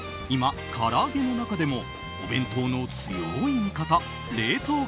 今、から揚げの中でもお弁当の強い味方冷凍